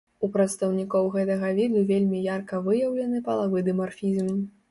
У прадстаўнікоў гэтага віду вельмі ярка выяўлены палавы дымарфізм.